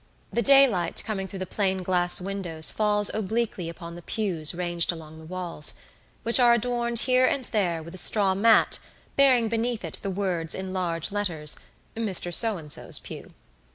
The daylight coming through the plain glass windows falls obliquely upon the pews ranged along the walls, which are adorned here and there with a straw mat bearing beneath it the words in large letters, "Mr. So and so's pew."